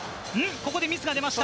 ここでミスが出ました。